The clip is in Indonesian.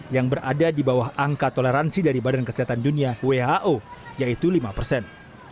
yang berada di bawah angka toleransi dari badan kesehatan dunia who yaitu lima persen